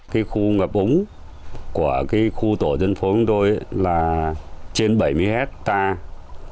cái khu ngập úng của cái khu tổ dân phố của tôi là trên bảy mươi hectare